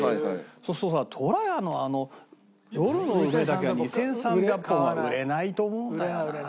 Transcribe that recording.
そうするとさとらやのあの夜の梅だけが２３００本も売れないと思うんだよな。